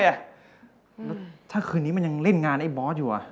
แล้วถ้าคืนนี้มันยังเล่นงานไอ้บอสอยู่